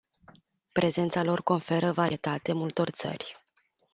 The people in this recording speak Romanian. Prezența lor conferă varietate multor țări.